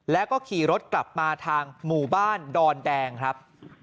แล้วก็ขี่รถกลับมาทางหมู่บ้านดอนแดงครับ